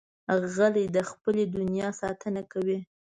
غلی، د خپلې دنیا ساتنه کوي.